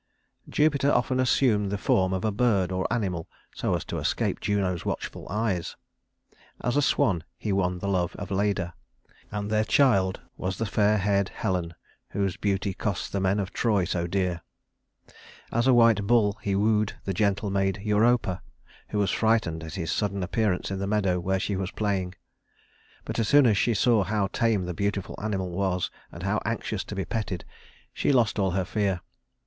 Jupiter often assumed the form of a bird or animal so as to escape Juno's watchful eyes. As a swan he won the love of Leda, and their child was the fair haired Helen whose beauty cost the men of Troy so dear. As a white bull he wooed the gentle maid Europa, who was frightened at his sudden appearance in the meadow where she was playing; but as soon as she saw how tame the beautiful animal was and how anxious to be petted, she lost all her fear.